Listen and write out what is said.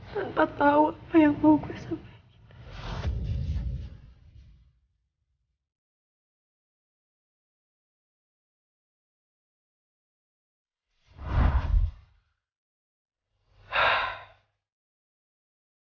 tanpa tau apa yang mau gue sampein